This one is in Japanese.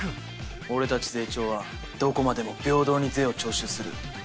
俺たちゼイチョーはどこまでも平等に税を徴収する。